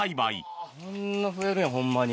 こんな増えるんやホンマに。